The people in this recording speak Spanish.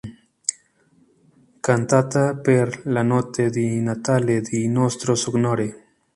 Cantata per la Notte di Natale di Nostro Signore.